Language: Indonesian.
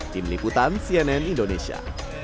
tim liputan cnn indonesia